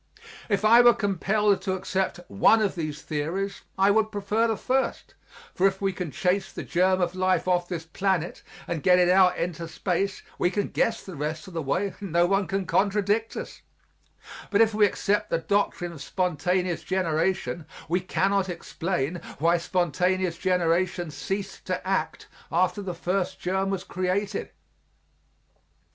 If I were compelled to accept one of these theories I would prefer the first, for if we can chase the germ of life off this planet and get it out into space we can guess the rest of the way and no one can contradict us, but if we accept the doctrine of spontaneous generation we cannot explain why spontaneous generation ceased to act after the first germ was created.